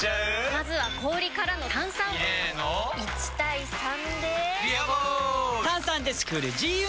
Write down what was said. まずは氷からの炭酸！入れの１：３で「ビアボール」！